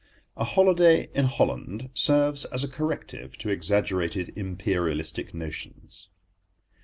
A holiday in Holland serves as a corrective to exaggerated Imperialistic notions.